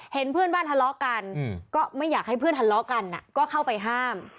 เห็นเพื่อนบ้านทะเลาะกันก็ไม่อยากให้เพื่อนทะเลาะกันก็เข้าไปห้าม